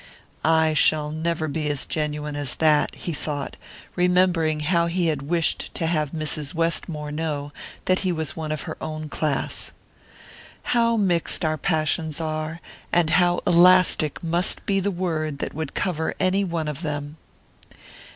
"I shall never be as genuine as that," he thought, remembering how he had wished to have Mrs. Westmore know that he was of her own class. How mixed our passions are, and how elastic must be the word that would cover any one of them!